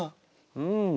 うん。